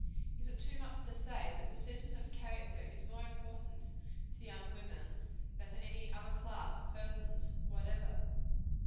Is it too much to say, that decision of character is more important to young women than to any other class of persons whatever?